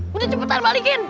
lu udah cepetan balikin